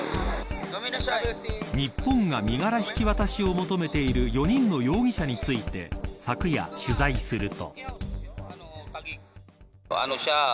日本が身柄引き渡しを求めている４人の容疑者について昨夜、取材すると。